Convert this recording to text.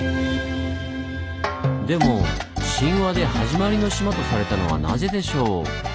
でも神話で「はじまりの島」とされたのはなぜでしょう？